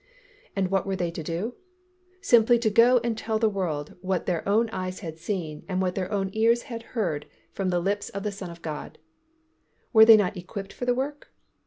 And what were they to do? Simply to go and tell the world what their own eyes had seen and what their own ears had heard from the lips of the Son of God. Were they not equipped for the work?